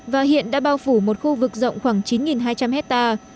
và hiện đã bao phủ một khu vực rộng khoảng chín hai trăm linh hectare